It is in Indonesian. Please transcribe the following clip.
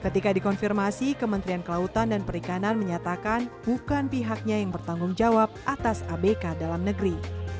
ketika dikonfirmasi kementerian kelautan dan perikanan menyatakan bukan pihaknya yang bertanggung jawab atas abk dalam negeri